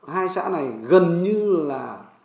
hai xã này gần như là